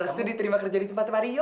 resmi diterima kerja di tempat pak rio